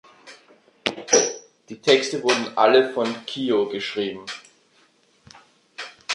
Die Texte wurden alle von Kyo geschrieben.